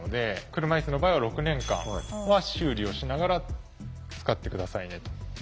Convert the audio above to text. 車いすの場合は６年間は修理をしながら使って下さいねと。